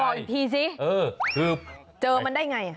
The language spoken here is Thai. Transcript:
บอกทีซิเจอมันได้ไง